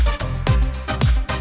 selamat malam semuanya